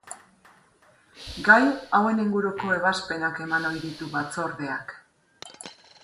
Gai hauen inguruko ebazpenak eman ohi ditu Batzordeak.